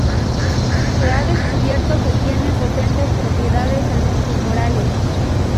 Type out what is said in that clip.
Se ha descubierto que tiene potentes propiedades antitumorales.